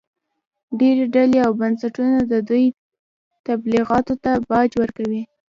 ډېرې ډلې او بنسټونه د دوی تبلیغاتو ته باج ورکوي